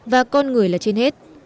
và con người là trên hết